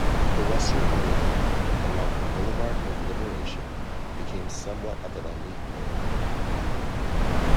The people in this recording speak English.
The western area, along the Boulevard of Liberation became somewhat of an elite neighborhood.